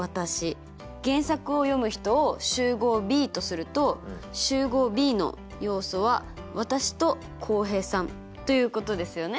原作を読む人を集合Ｂとすると集合Ｂの要素は私と浩平さんということですよね。